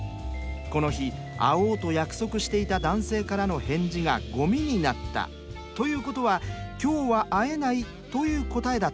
この日会おうと約束していた男性からの返事がゴミになったということは「今日は会えない」という答えだったのでしょう。